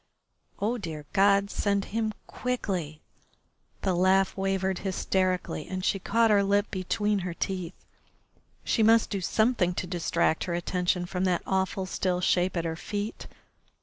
Oh, dear God, send him quickly! The laugh wavered hysterically, and she caught her lip between her teeth. She must do something to distract her attention from that awful still shape at her feet.